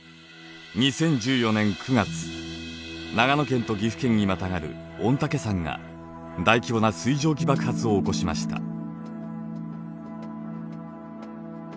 ２０１４年９月長野県と岐阜県にまたがる御嶽山が大規模な水蒸気爆発を起こしました。